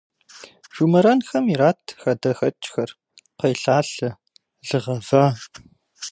Жумэрэнхэм ират хадэхэкӏхэр, кхъуейлъалъэ, лы гъэва.